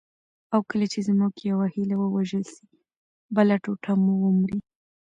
او کله چي زموږ یوه هیله ووژل سي، بله ټوټه مو ومري.